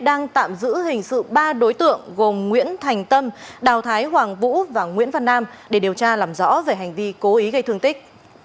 đang tạm giữ hình sự ba đối tượng gồm nguyễn thành tâm đào thái hoàng vũ và nguyễn văn nam để điều tra làm rõ về hành vi cố ý gây thương tích